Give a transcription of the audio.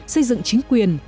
xây dựng chính quyền